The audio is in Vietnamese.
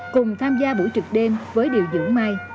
cùng tham gia buổi trực đêm với điều dưỡng mai